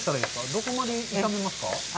どこまで炒めますか。